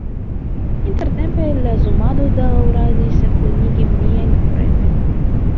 Intertempe la zumado daŭradis plenigi miajn orelojn.